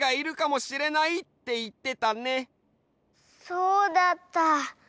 そうだった。